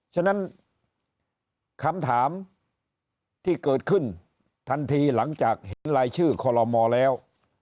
ฉะนั้นคำถามที่เกิดขึ้นทันทีหลังจากเห็นรายชื่อคอลโลมอลแล้ว